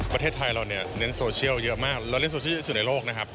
ประเทศไทยเราเนี่ยเน้นโซเชียลเยอะมากเราเล่นโซเชียลสุดในโลกนะครับ